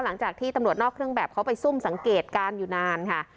หลังจากที่ตำรวจนอกเครื่องแบบเขาไปซุ่มสังเกตการณ์อยู่นานค่ะ